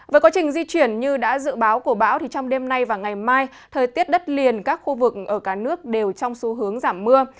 với quá trình di chuyển như đã dự báo của bão trong đêm nay và ngày mai thời tiết đất liền các khu vực ở cả nước đều trong xu hướng giảm mưa